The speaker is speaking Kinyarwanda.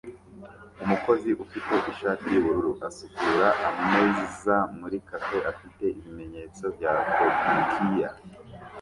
Umukozi ufite ishati yubururu asukura ameza muri cafe afite ibimenyetso bya kokiya